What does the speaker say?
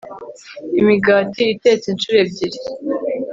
Imigati Itetse Inshuro Ebyiri